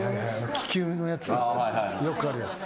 気球のやつよくあるやつ。